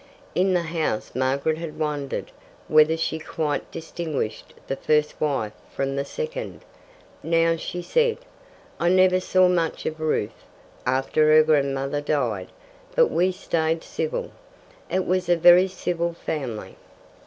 In the house Margaret had wondered whether she quite distinguished the first wife from the second. Now she said: "I never saw much of Ruth after her grandmother died, but we stayed civil. It was a very civil family.